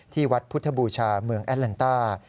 ที่วัดพุทธบูชาเมืองแอดแลนต้า